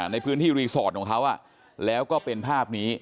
ในพื้นที่รีสอร์ทของเขาแล้วก็เป็นภาพนี้